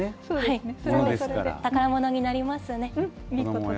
宝物になりますね。